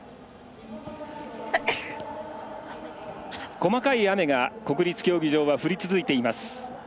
細かい雨が国立競技場は降り続いています。